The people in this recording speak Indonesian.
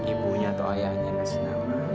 ibunya atau ayahnya kasih nama